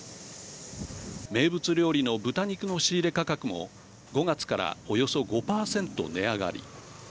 名物料理の豚肉の仕入れ価格も５月から、およそ５％値上がり。